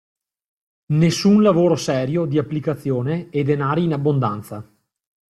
Nessun lavoro serio, di applicazione, e denari in abbondanza.